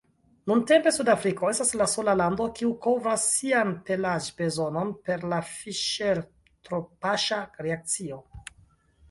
Nuntempe Sudafriko estas la sola lando, kiu kovras sian pelaĵ-bezonon per la Fiŝer-Tropŝa reakcio.